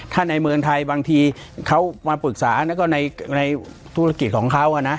ถ้าในเมืองไทยบางทีเขามาปรึกษาแล้วก็ในธุรกิจของเขานะ